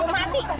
bu kemana sih bu